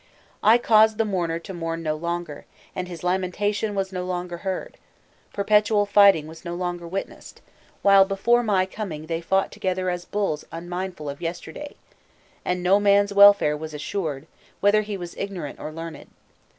"I caused the mourner to mourn no longer, and his lamentation was no longer heard, perpetual fighting was no longer witnessed, while before my coming they fought together as bulls unmindful of yesterday, and no man's welfare was assured, whether he was ignorant or learned."